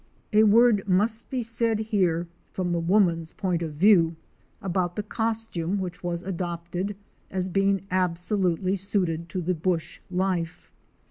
A word must be said here from the woman's point of view about the costume which was adopted as being absolutely suited to the bush life.